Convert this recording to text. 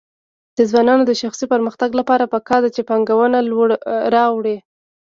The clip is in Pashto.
د ځوانانو د شخصي پرمختګ لپاره پکار ده چې پانګونه راوړي.